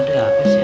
terima kasih ya